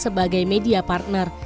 sebagai media partner